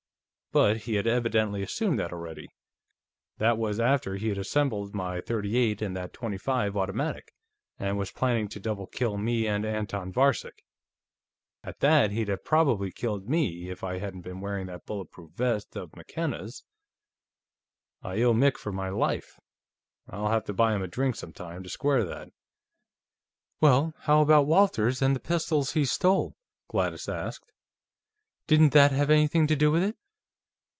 But he had evidently assumed that already; that was after he'd assembled my .38 and that .25 automatic, and was planning to double kill me and Anton Varcek. At that, he'd have probably killed me, if I hadn't been wearing that bulletproof vest of McKenna's. I owe Mick for my life; I'll have to buy him a drink, sometime, to square that." "Well, how about Walters, and the pistols he stole?" Gladys asked. "Didn't that have anything to do with it?"